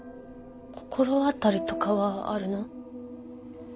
心当たりとかはあるの？